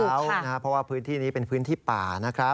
เพราะว่าพื้นที่นี้เป็นพื้นที่ป่านะครับ